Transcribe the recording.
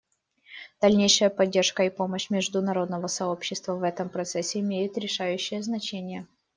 Дальнейшая поддержка и помощь международного сообщества в этом процессе имеет решающее значение.